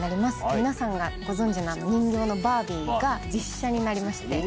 皆さんがご存じのあの人形のバービーが実写になりまして。